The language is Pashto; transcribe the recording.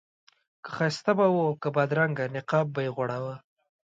که ښایسته به و او که بدرنګه نقاب به یې غوړاوه.